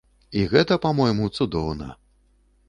І гэта, па-мойму, цудоўна.